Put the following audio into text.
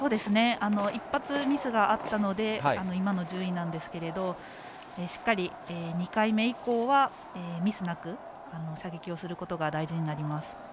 １発ミスがあったので今の順位なんですけどしっかり、２回目以降はミスなく、射撃をすることが大事になります。